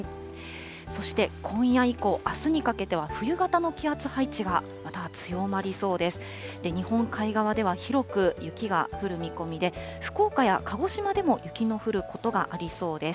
そして今夜以降、あすにかけては冬型の気圧配置がまた強まりそうです。